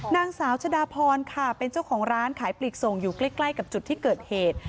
นางสาวชะดาพรค่ะเป็นเจ้าของร้านขายปลีกส่งอยู่ใกล้กับจุดที่เกิดเหตุ